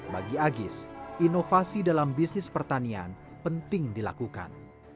bagi agis inovasi dalam bisnis pertanian penting dilakukan